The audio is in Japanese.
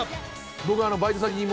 僕バイト先に。